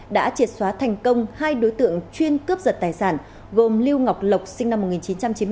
đã triệt xóa thành công hai đối tượng chuyên cướp giật tài sản gồm lưu ngọc lộc sinh năm một nghìn chín trăm chín mươi